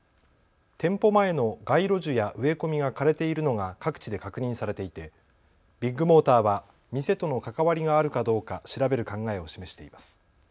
店舗前の街路樹や植え込みが枯れているのが各地で確認されていてビッグモーターは店との関わりがあるかどうか調べる考えを示しています。